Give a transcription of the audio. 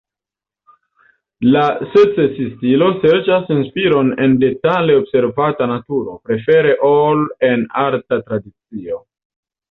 La "Secesi-stilo" serĉas inspiron en detale observata naturo, prefere ol en arta tradicio.